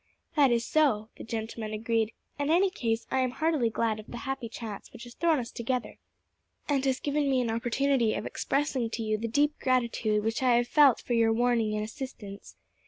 "That is so," the gentleman agreed. "At any rate I am heartily glad of the happy chance which has thrown us together, and has given me an opportunity of expressing to you the deep gratitude which I have felt for your warning and assistance.